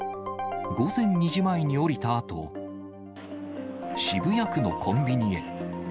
午前２時前に降りたあと、渋谷区のコンビニへ。